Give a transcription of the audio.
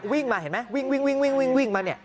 วิ่งมาเห็นไหมวิ่ง